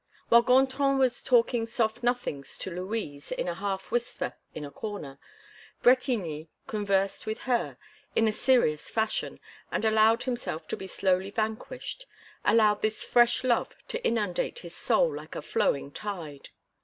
While Gontran was talking soft nothings to Louise in a half whisper in a corner, Bretigny conversed with her in a serious fashion, and allowed himself to be slowly vanquished, allowed this fresh love to inundate his soul like a flowing tide.